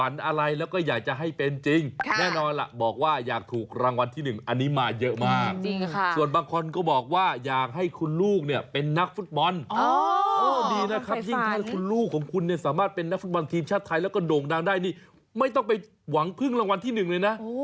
ดีนะครับยิ่งถ้าคุณลูกของคุณเนี่ยสามารถเป็นนักฟุตบอลทีมชาติไทยแล้วก็โด่งดังได้นี่ไม่ต้องไปหวังพึ่งรางวัลที่หนึ่งเลยนะ